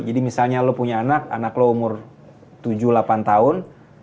jadi misalnya lo punya anak anak lo umur tujuh delapan tahun